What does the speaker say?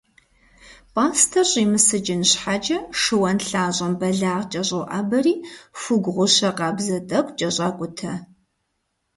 Пӏастэр щӏимысыкӏын щхьэкӏэ, шыуан лъащӏэм бэлагъкӏэ щӏоӏэбэри, хугу гъущэ къабзэ тӏэкӏу кӏэщӏакӏутэ.